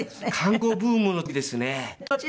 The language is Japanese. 観光ブームの時ですね。